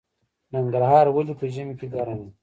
ننګرهار ولې په ژمي کې ګرم وي؟